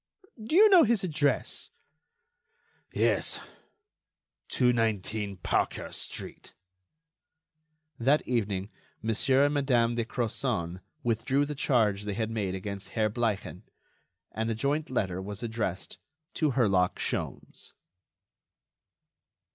"Do you know his address?" "Yes; 219 Parker street." That evening Monsieur and Madame de Crozon withdrew the charge they had made against Herr Bleichen, and a joint letter was addressed to Herlock Sholmes.